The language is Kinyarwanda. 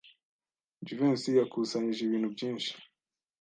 Jivency yakusanyije ibintu byinshi.